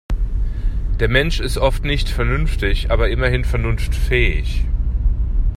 Der Mensch ist oft nicht vernünftig, aber immerhin vernunftfähig.